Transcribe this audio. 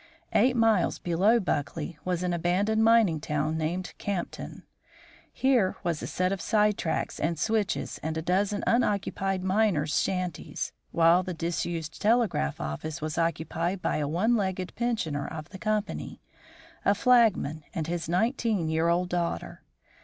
Eight miles below Buckley was an abandoned mining town named Campton. Here was a set of side tracks and switches and a dozen unoccupied miners' shanties, while the disused telegraph office was occupied by a one legged pensioner of the company a flagman and his nineteen year old daughter.